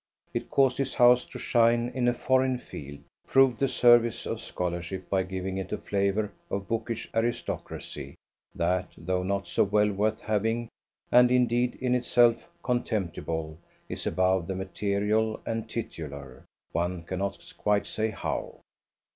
It caused his house to shine in a foreign field; proved the service of scholarship by giving it a flavour of a bookish aristocracy that, though not so well worth having, and indeed in itself contemptible, is above the material and titular; one cannot quite say how.